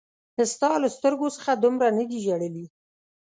ستا له سترګو څخه دومره نه دي ژړلي